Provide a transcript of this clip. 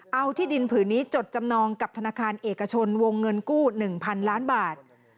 เอาที่ดินผืนนี้จดจำนองกับธนาคารเอกชนวงเงินกู้๑๐๐๐ล้านบาท